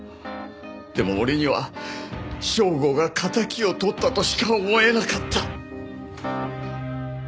でも俺には祥吾が敵をとったとしか思えなかった。